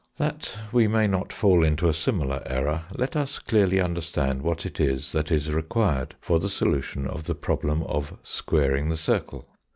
That we may not fall into a similar error, let us clearly understand what it is that is required for the solution of the problem of 'squaring the circle.